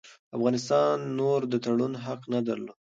افغانستان نور د تړون حق نه درلود.